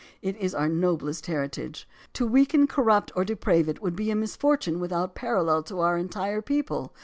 It is our noblest heritage. To weaken, corrupt, or deprave it would be a misfortune without parallel to our entire people.